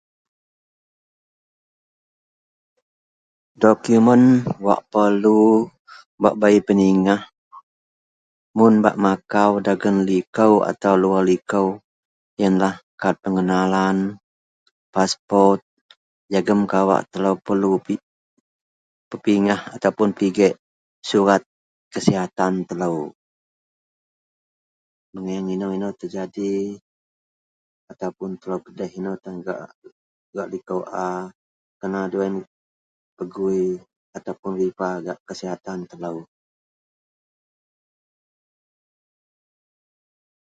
.dokumen wak perlu bak bei pingah mun bak makau dagen liko atau luar liko ienlah kad pengenalan, paspot, jegum kawak telou perlu pi pepigah atau pigek surat kasihatan telou, megieng inou-inou terjadi ataupun telou pedih inou tan gak liko a, kena deloien pegui ataupun rifer gak kasihatan telou